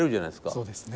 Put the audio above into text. そうですね。